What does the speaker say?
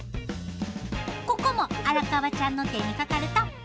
ここも荒川ちゃんの手にかかると。